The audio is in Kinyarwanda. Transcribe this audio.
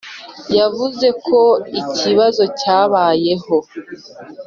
yavuze ko ikibazo cyabayeho